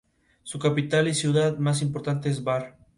Es hermano menor del abogado y político Luis Delgado Aparicio.